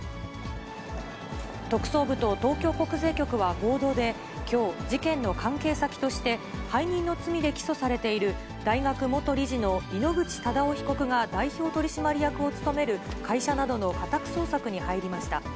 特捜部と東京国税局は合同で、きょう、事件の関係先として、背任の罪で起訴されている大学元理事の井ノ口忠男被告が代表取締役を務める会社などの家宅捜索に入りました。